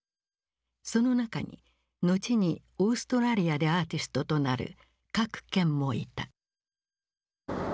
その中に後にオーストラリアでアーティストとなる郭健もいた。